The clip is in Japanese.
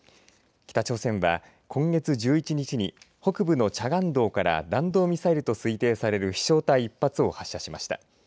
北朝鮮は今月１１日に北部のチャガン道から弾道ミサイルと推定される飛しょう体１発を発射しました。